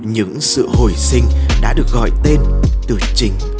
những sự hồi sinh đã được gọi tên từ chính